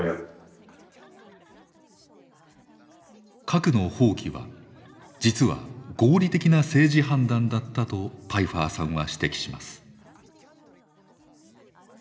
核の放棄は実は合理的な政治判断だったとパイファーさんは指摘します。